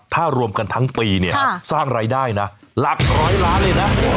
ถ้ารวมกันทั้งปีเนี่ยสร้างรายได้นะหลักร้อยล้านเลยนะ